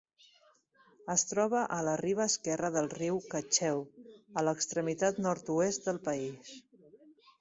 Es troba a la riba esquerra del riu Cacheu, a l'extremitat nord-oest del país.